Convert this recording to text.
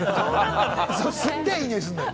すっげぇいい匂いするなよ。